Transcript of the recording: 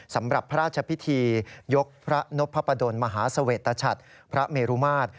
สำหรับพระราชพิธียกพระนพประดนมหาเสวตชัดพระเมรุมาตร